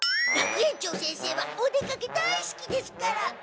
学園長先生はお出かけ大すきですから！